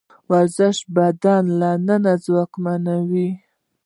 ورزش د بدن له دننه ځواکمنوي.